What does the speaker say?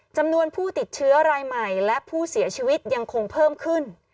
จำนวนผู้ติดเชื้อรายใหม่และผู้เสียชีวิตยังคงเพิ่มขึ้น